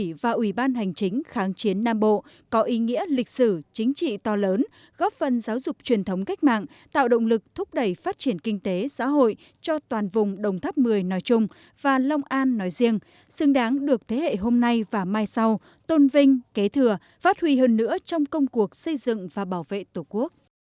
căn cứ xứ ủy và ủy ban hành chính kháng chiến nam bộ có ý nghĩa lịch sử chính trị to lớn góp phần giáo dục truyền thống cách mạng tạo động lực thúc đẩy phát triển kinh tế xã hội cho toàn vùng đồng tháp mười nói chung và long an nói riêng xứng đáng được thế hệ hôm nay và mai sau tôn vinh kế thừa phát huy hơn nữa trong công cuộc xây dựng và bảo vệ tổ quốc